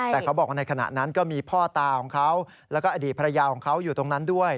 แต่เขาบอกว่าในขณะนั้นก็มีพ่อตาของเขาแล้วก็อดีตภรรยาของเขาอยู่ตรงนั้นด้วย